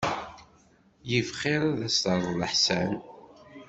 Iff xir ad as-terreḍ leḥsan.